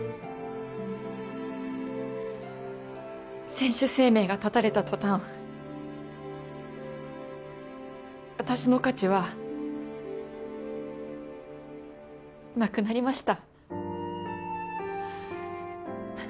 選手生命が絶たれた途端私の価値はなくなりました。